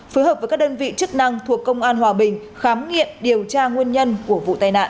phối hợp với các đơn vị chức năng thuộc công an hòa bình khám nghiệm điều tra nguyên nhân của vụ tai nạn